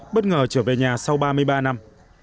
bất ngờ trở về nhà sau ba mươi ba năm